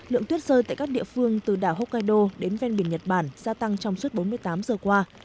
lượng tuyết rơi tại các địa phương từ đảo hokkaido đến ven biển nhật bản gia tăng trong suốt bốn mươi tám giờ qua